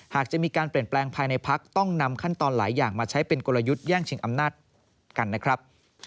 หากจะมีการเปลี่ยนแปลงภายในพักต้องนำขั้นตอนหลายอย่างมาใช้เป็นกลยุทธ์แย่งชิงอำนาจกันนะครับ